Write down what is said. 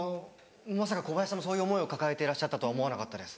まさか小林さんもそういう思いを抱えていらっしゃったとは思わなかったです。